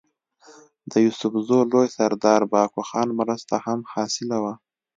د يوسفزو لوئ سردار بهاکو خان مرسته هم حاصله وه